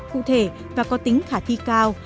cụ thể và có tính khả thi cao